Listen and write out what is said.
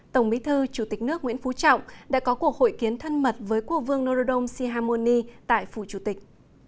tổng bí thư chủ tịch nước nguyễn phú trọng đã có cuộc hội kiến thân mật với quốc vương norodom sihamoni tại phủ chủ tịch